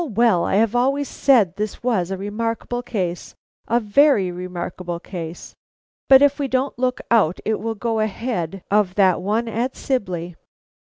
well! I've always said this was a remarkable case, a very remarkable case; but if we don't look out it will go ahead of that one at Sibley.